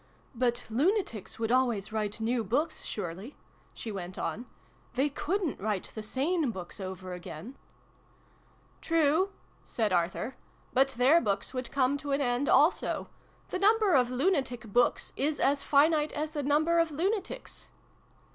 " But lunatics would always write new books, surely ?" she went on. " They couldnt write the sane books over again !"" True," said Arthur. " But their books would come to an end, also. The number of lunatic books is as finite as the number of lunatics."